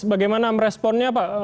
bagaimana meresponnya pak